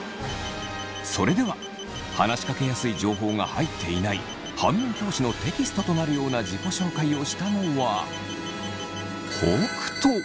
それでは話しかけやすい情報が入っていない反面教師のテキストとなるような自己紹介をしたのは北斗。